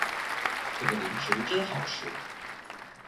这个零食真好吃